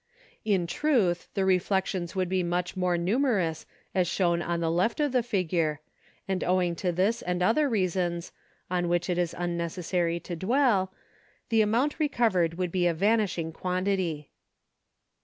In truth, the reflections would be much more nu merous as shown on the left of the figure, and owing to this and other reasons, on which it is unnecessary to dwell, the amount recovered would be a vanishing quantity.